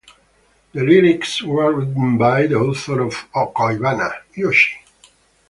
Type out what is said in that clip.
The lyrics were written by the author of "Koibana," Yoshi.